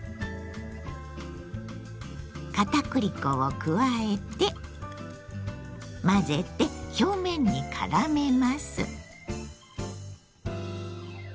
片栗粉を加えて混ぜて表面にからめます。